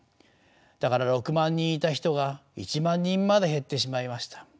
だから６万人いた人が１万人まで減ってしまいました。